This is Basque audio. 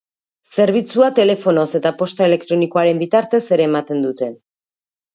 Zerbitzua telefonoz eta posta elektronikoaren bitartez ere ematen dute.